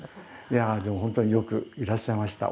いやあでも本当によくいらっしゃいました。